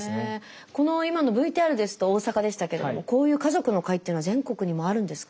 この今のＶＴＲですと大阪でしたけどもこういう家族の会っていうのは全国にもあるんですか？